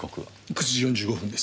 ９時４５分です。